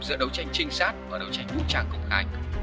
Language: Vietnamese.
giữa đấu tranh trinh sát và đấu tranh vũ trang công khai